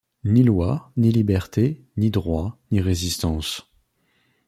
Ni loi, ni liberté, ni droit, ni résistance